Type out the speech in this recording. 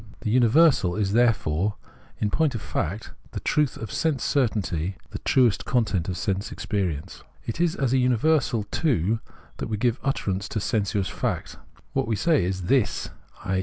The Universal is therefore ia point of fact the truth of sense certainty, the true content of sense experience. It is as a universal, too, that we give utterance to sen suous fact. What we say is :" This," i.